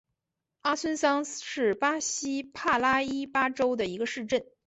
阿孙桑是巴西帕拉伊巴州的一个市镇。